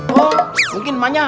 oh mungkin emaknya